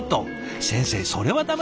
先生それは駄目だ。